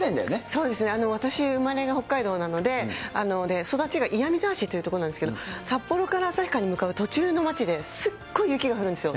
そうですね、私、生まれが北海道なので、育ちが岩見沢市という所なんですけど、札幌から旭川に向かう途中の町で、すっごい雪が降るんですよ。